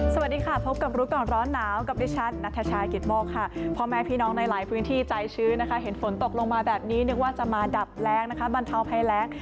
สวัสดีค่ะพบกับรู้ก่อนร้อนหนาวกับดิฉันนัทชายกิตโมกค่ะพ่อแม่พี่น้องในหลายพื้นที่ใจชื้นนะคะเห็นฝนตกลงมาแบบนี้นึกว่าจะมาดับแรงนะคะบรรเทาภัยแรง